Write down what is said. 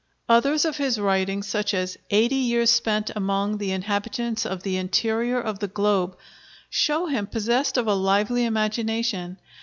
Others of his writings, such as 'Eighty Years Spent among the Inhabitants of the Interior of the Globe,' show him possessed of a lively imagination.